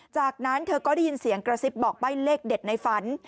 จากนั้นเธอก็ได้ยินเสียงกระซิบบอกใบ้เลขเด็ดในฝัน